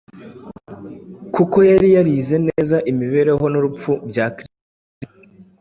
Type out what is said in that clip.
Kubera ko yari yarize neza imibereho n’urupfu bya Kristo,